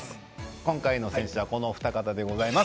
今回の選手はこのお二方でございます。